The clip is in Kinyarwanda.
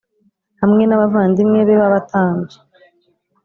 hamwe n abavandimwe be b abatambyi